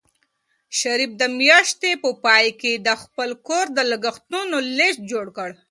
شریف د میاشتې په پای کې د خپل کور د لګښتونو لیست جوړ کړ.